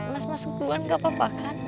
mas masuk puluhan gak apa apa kan